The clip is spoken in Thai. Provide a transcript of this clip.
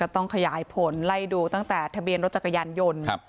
ต้องขยายผลไล่ดูตั้งแต่ทะเบียนรถจักรยานยนต์